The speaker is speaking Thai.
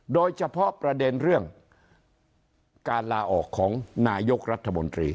โดยเฉพาะประเด็นเรื่องการลาออกของนายกรัฐมนตรี